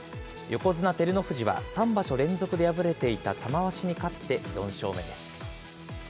横綱・照ノ富士は３場所連続で敗れていた玉鷲に勝って４勝目です。